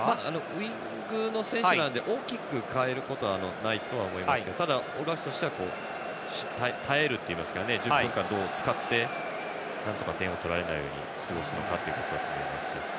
ウイングの選手なので大きく変えることはないとは思いますがオールブラックスとしては耐えるというか、１０分間なんとか点を取られないように過ごすんだと思います。